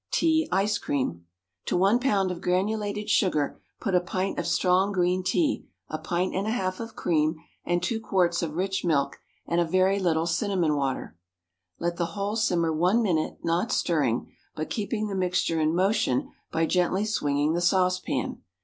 Tea Ice Cream. To one pound of granulated sugar put a pint of strong green tea, a pint and a half of cream, and two quarts of rich milk, and a very little cinnamon water. Let the whole simmer one minute, not stirring, but keeping the mixture in motion by gently swinging the saucepan.